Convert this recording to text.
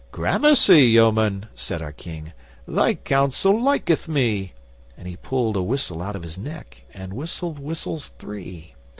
'Gramercy, yeoman!' said our King. 'Thy counsel liketh me.' And he pulled a whistle out of his neck and whistled whistles three.